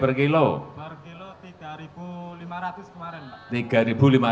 per kilo rp tiga lima ratus kemarin pak